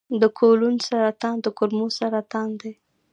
د کولون سرطان د کولمو سرطان دی.